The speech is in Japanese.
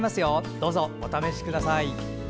どうぞお試しください。